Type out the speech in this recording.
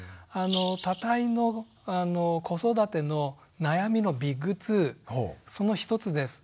多胎の子育ての悩みのビッグ２その１つです。